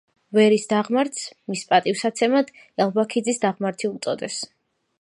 ვერის დაღმართს მის პატივსაცემად ელბაქიძის დაღმართი უწოდეს.